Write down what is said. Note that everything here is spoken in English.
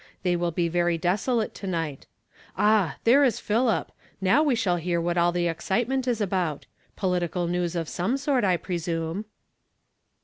They will be very deso late to night. Ah, there is Philip ! Now we shall hear what all the excitement is about. Political news of some sort, I presume."